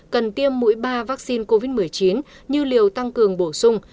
cần tiêm mũi ba vắc xin covid một mươi chín như liều tăng cường bổ sung